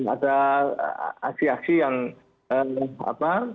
ada aksi aksi yang apa